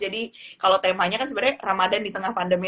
jadi kalau temanya kan sebenernya ramadhan di tengah pandemi